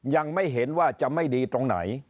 ยังไม่เห็นว่าจะไม่ดีตรงไหน